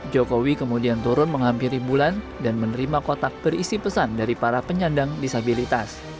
jokowi kemudian turun menghampiri bulan dan menerima kotak berisi pesan dari para penyandang disabilitas